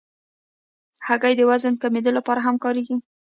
هګۍ د وزن کمېدو لپاره هم کارېږي.